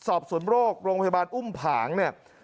สอบสวนโรคโรงพยาบาลอุ้มผางเนี่ย